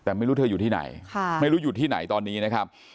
แต่ไม่รู้เธออยู่ที่ไหนไม่รู้อยู่ที่ไหนตอนนี้นะครับ